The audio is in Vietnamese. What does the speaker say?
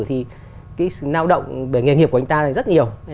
thì cái sự nao động về nghề nghiệp của anh ta rất nhiều